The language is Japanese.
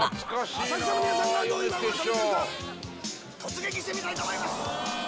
浅草の皆さんがどういう晩ごはんを食べているか、突撃してみたいと思います。